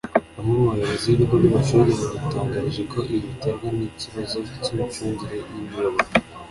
bamwe mu bayobozi b’ibigo by’amashuri badutangarije ko ibi biterwa n’ikibazo cy’imicungire y’imiyoboro